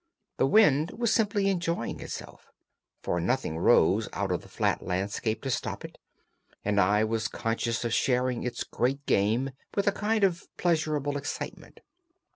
The wind was simply enjoying itself, for nothing rose out of the flat landscape to stop it, and I was conscious of sharing its great game with a kind of pleasurable excitement.